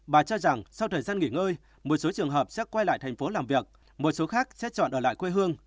bà cho rằng sau thời gian nghỉ ngơi một số trường hợp sẽ quay lại thành phố làm việc một số khác xét chọn ở lại quê hương